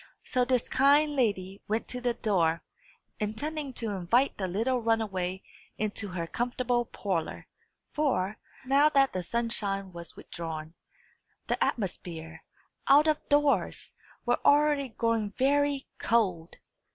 So this kind lady went to the door, intending to invite the little runaway into her comfortable parlour; for, now that the sunshine was withdrawn, the atmosphere, out of doors, was already growing very cold.